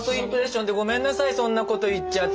そんなこと言っちゃって。